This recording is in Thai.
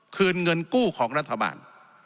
คืนเงินกู้ของรัฐบาล